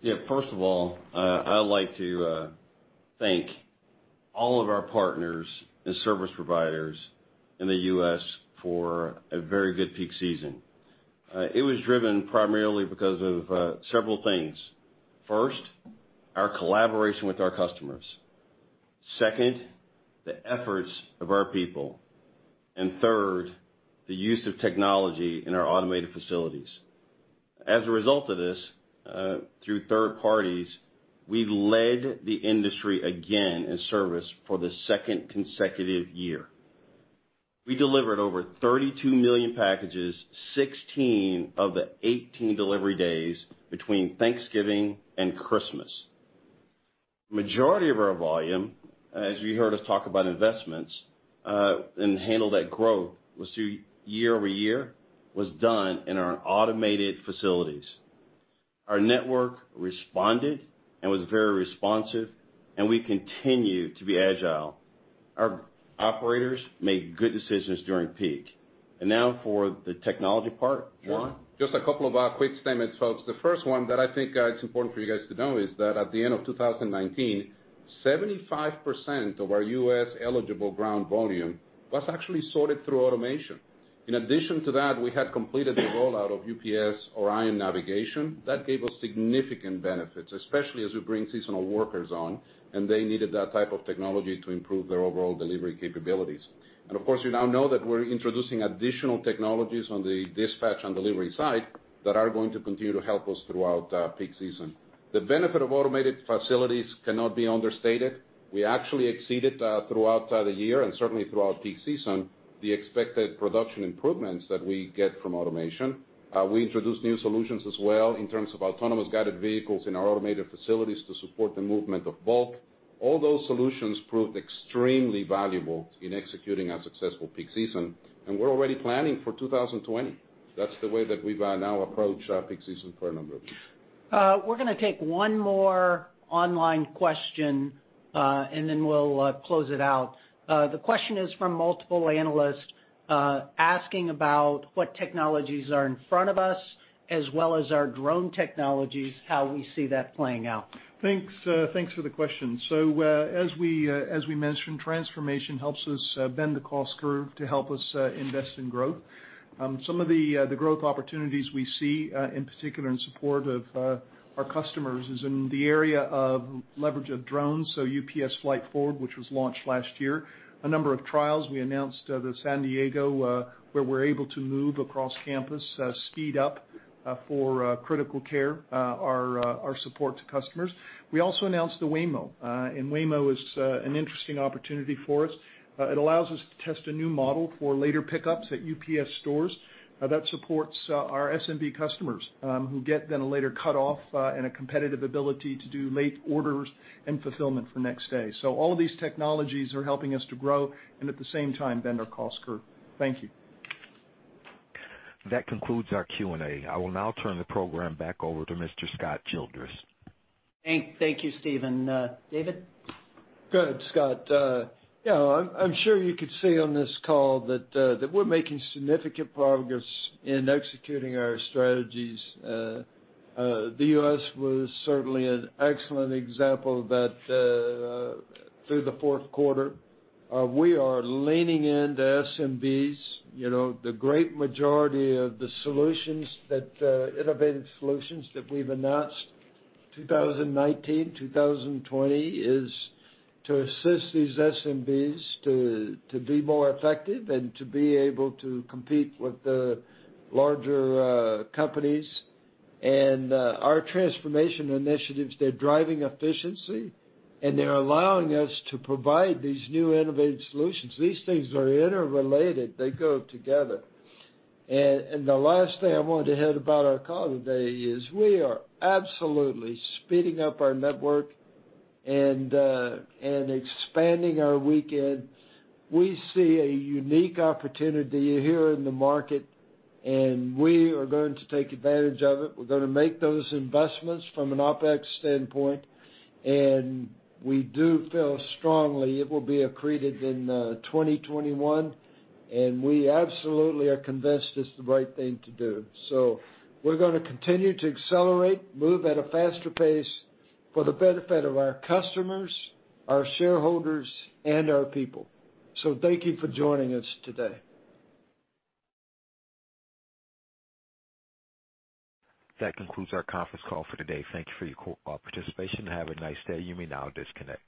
Okay. First of all, I'd like to thank all of our partners and service providers in the U.S. for a very good peak season. It was driven primarily because of several things. First, our collaboration with our customers. Second, the efforts of our people. Third, the use of technology in our automated facilities. As a result of this, through third parties, we led the industry again in service for the second consecutive year. We delivered over 32 million packages, 16 of the 18 delivery days between Thanksgiving and Christmas. Majority of our volume, as you heard us talk about investments and handle that growth year-over-year, was done in our automated facilities. Our network responded and was very responsive, we continue to be agile. Our operators made good decisions during peak. Now for the technology part, Juan? Sure. Just a couple of quick statements, folks. The first one that I think it's important for you guys to know is that at the end of 2019, 75% of our U.S.-eligible ground volume was actually sorted through automation. In addition to that, we had completed the rollout of UPS ORION navigation. That gave us significant benefits, especially as we bring seasonal workers on, and they needed that type of technology to improve their overall delivery capabilities. Of course, you now know that we're introducing additional technologies on the dispatch and delivery side that are going to continue to help us throughout peak season. The benefit of automated facilities cannot be understated. We actually exceeded, throughout the year and certainly throughout peak season, the expected production improvements that we get from automation. We introduced new solutions as well in terms of autonomous guided vehicles in our automated facilities to support the movement of bulk. All those solutions proved extremely valuable in executing our successful peak season, and we're already planning for 2020. That's the way that we now approach peak season for a number of years. We're going to take one more online question, and then we'll close it out. The question is from multiple analysts, asking about what technologies are in front of us, as well as our drone technologies, how we see that playing out. Thanks for the question. As we mentioned, transformation helps us bend the cost curve to help us invest in growth. Some of the growth opportunities we see, in particular in support of our customers, is in the area of leverage of drones, so UPS Flight Forward, which was launched last year. A number of trials. We announced the San Diego, where we're able to move across campus, speed up for critical care, our support to customers. We also announced the Waymo, and Waymo is an interesting opportunity for us. It allows us to test a new model for later pickups at UPS Stores. That supports our SMB customers who get then a later cutoff and a competitive ability to do late orders and fulfillment for next day. All of these technologies are helping us to grow, and at the same time, bend our cost curve. Thank you. That concludes our Q&A. I will now turn the program back over to Mr. Scott Childress. Thank you, Steven. David? Good, Scott. I'm sure you could see on this call that we're making significant progress in executing our strategies. The U.S. was certainly an excellent example of that through the fourth quarter. We are leaning into SMBs. The great majority of the innovative solutions that we've announced 2019, 2020, is to assist these SMBs to be more effective and to be able to compete with the larger companies. Our transformation initiatives, they're driving efficiency, and they're allowing us to provide these new innovative solutions. These things are interrelated. They go together. The last thing I wanted to hit about our call today is we are absolutely speeding up our network and expanding our weekend. We see a unique opportunity here in the market, and we are going to take advantage of it. We're going to make those investments from an OpEx standpoint. We do feel strongly it will be accreted in 2021. We absolutely are convinced it's the right thing to do. We're going to continue to accelerate, move at a faster pace for the benefit of our customers, our shareholders, and our people. Thank you for joining us today. That concludes our conference call for today. Thank you for your participation. Have a nice day. You may now disconnect.